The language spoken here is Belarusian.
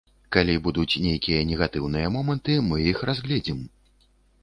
Калі будуць нейкія негатыўныя моманты мы іх разгледзім.